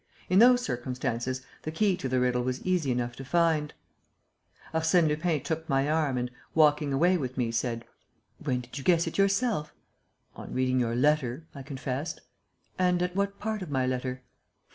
In those circumstances, the key to the riddle was easy enough to find." Arsène Lupin took my arm, and walking away with me, said: "When did you guess it, yourself?" "On reading your letter," I confessed. "And at what part of my letter?"